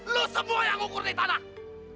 lu semua yang ukur di tanah